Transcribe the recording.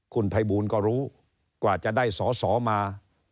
คุณภัยบูลก็รู้กว่าจะได้สอสอมา